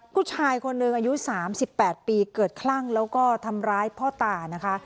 ผู้ชายคนหนึ่งอายุ๓๘ปีเกิดคลั่งแล้วก็ทำร้ายพ่อตานะคะ